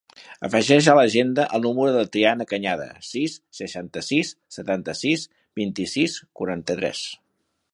Afegeix a l'agenda el número de la Triana Cañada: sis, trenta-sis, setanta-sis, vint-i-sis, quaranta-tres.